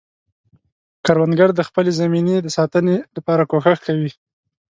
کروندګر د خپلې زمینې د ساتنې لپاره کوښښ کوي